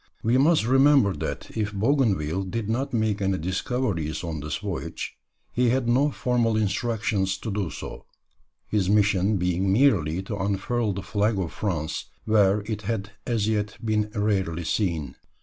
We must remember that if Bougainville did not make any discoveries on this voyage, he had no formal instructions to do so, his mission being merely to unfurl the flag of France where it had as yet been rarely seen.